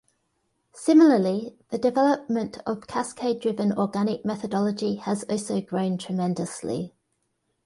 Similarly, the development of cascade-driven organic methodology has also grown tremendously.